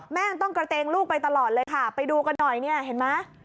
แม่ยังต้องกระเตงลูกไปตลอดเลยค่ะไปดูกันหน่อยเนี่ยเห็นไหม